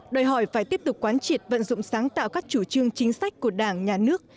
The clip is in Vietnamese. đòi hỏi phải tiếp tục quán triệt vận dụng sáng tạo các chủ trương chính sách của đảng nhà nước